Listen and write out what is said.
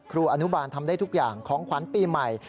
ครูอนุบาลทำได้ทุกอย่างของขวัญปีใหม่